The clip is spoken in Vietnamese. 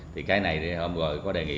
thì cái này thì hôm rồi có đề nghị